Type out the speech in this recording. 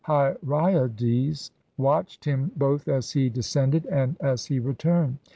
Hyraeades watched him both as he descended and as he returned.